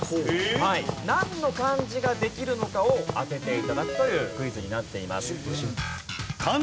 なんの漢字ができるのかを当てて頂くというクイズになっています。